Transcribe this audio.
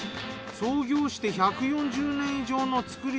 創業して１４０年以上の造り